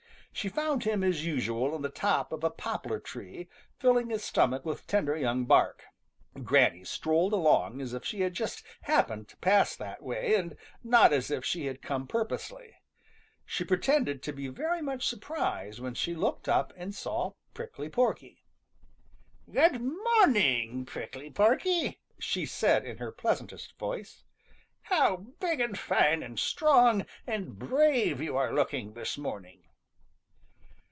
She found him as usual in the top of a poplar tree, filling his stomach with tender young bark. Granny strolled along as if she had just happened to pass that way and not as if she had come purposely. She pretended to be very much surprised when she looked up and saw Prickly Porky. "Good morning, Prickly Porky," she said in her pleasantest voice. "How big and fine and strong and brave you are looking this morning!"